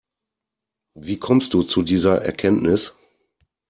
Wie kommst du zu dieser Erkenntnis?